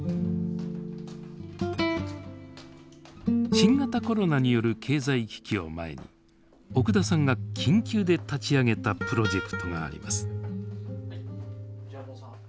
新型コロナによる経済危機を前に奥田さんが緊急で立ち上げたプロジェクトがあります。